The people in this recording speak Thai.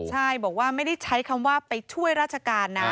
ใช่บอกว่าไม่ได้ใช้คำว่าไปช่วยราชการนะ